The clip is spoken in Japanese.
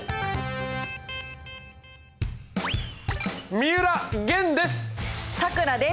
三浦玄です！